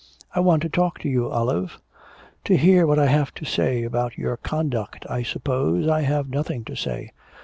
'I want to talk to you, Olive.' 'To hear what I have to say about your conduct, I suppose. I have nothing to say.'